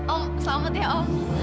om selamat ya om